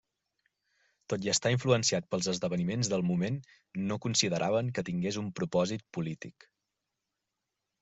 Tot i estar influenciat pels esdeveniments del moment, no consideraven que tingués un propòsit polític.